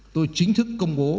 tôi chính thức công bố